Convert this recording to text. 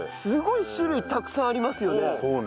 すごい種類たくさんありますよね。